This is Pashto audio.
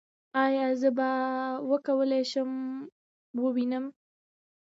ایا زه به وکولی شم ووینم؟